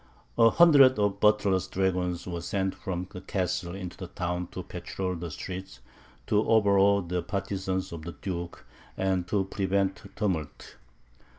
A hundred of Buttler's dragoons were sent from the Castle into the town to patrol the streets, to overawe the partisans of the Duke, and to prevent tumult.